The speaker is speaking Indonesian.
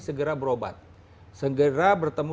segera berobat segera bertemu